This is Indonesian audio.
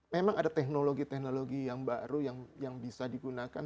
memang ada teknologi teknologi yang baru yang bisa digunakan